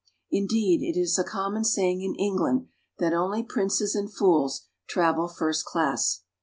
Indeed it is a common saying in England that only princes and fools travel first class.